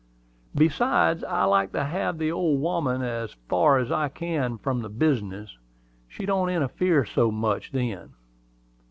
"Besides, I like to have the old woman as far as I can from the business; she don't interfere so much then."